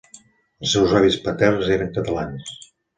Els seus avis paterns eren catalans.